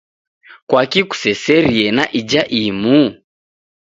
Kwaki kuseserie na ija imu?